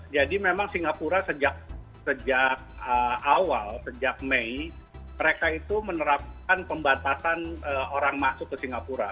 jadi memang singapura sejak awal sejak mei mereka itu menerapkan pembatasan orang masuk ke singapura